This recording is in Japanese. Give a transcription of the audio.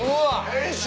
変身！